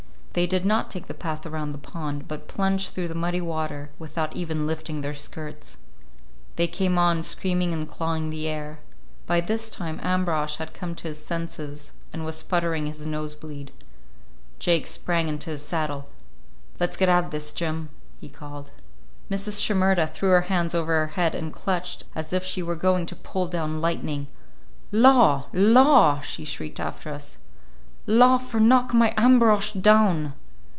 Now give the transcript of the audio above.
They did not take the path around the pond, but plunged through the muddy water, without even lifting their skirts. They came on, screaming and clawing the air. By this time Ambrosch had come to his senses and was sputtering with nose bleed. Jake sprang into his saddle. "Let's get out of this, Jim," he called. Mrs. Shimerda threw her hands over her head and clutched as if she were going to pull down lightning. "Law, law!" she shrieked after us. "Law for knock my Ambrosch down!"